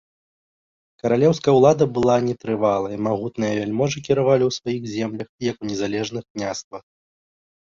Каралеўская ўлада была нетрывалай, магутныя вяльможы кіравалі ў сваіх землях, як у незалежных княствах.